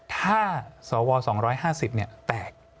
ถ้าสว๒๕๐เนี่ยแตก